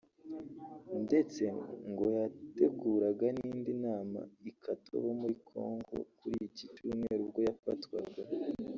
ndetse ngo yateguraga n’indi nama i Katobo muri Congo kuri iki cyumweru ubwo yafatwaga